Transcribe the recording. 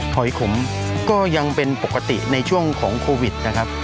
หอยขมก็ยังเป็นปกติในช่วงของโควิดนะครับ